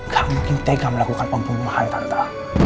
gak mungkin tega melakukan pembunuhan tanpa